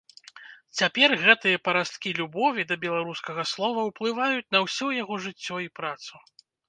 Цяпер гэтыя парасткі любові да беларускага слова ўплываюць на ўсё яго жыццё і працу.